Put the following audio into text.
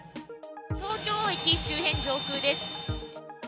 東京駅周辺上空です。